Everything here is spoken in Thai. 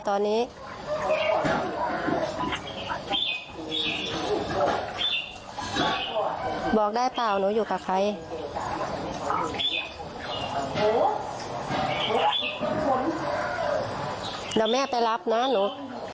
เดี๋ยวแม่ไปรับนะหนู